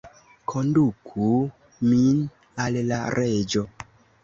Konduku min al la Reĝo!